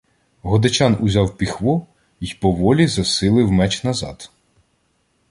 Годечан узяв піхво й поволі засилив меч назад.